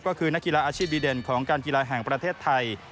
ก็คือนักกีฬาอาชีพดีเด่นของการกีฬาแห่งประเทศไทย